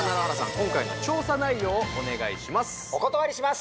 今回の調査内容をお願いします